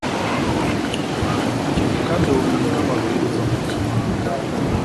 Dukurikiza kandi ubumenyi n'amabwiriza mpuzamahanga